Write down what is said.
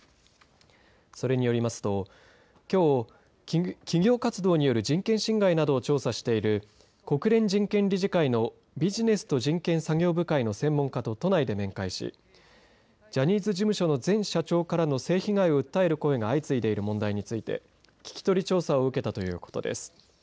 それによりますと、きょう企業活動による人権侵害などを調査している国連人権理事会のビジネスと人権作業部会の専門家と都内で面会しジャニーズ事務所の前社長からの性被害を訴える声が相次いでいる問題について聞き取り調査を受けたということです。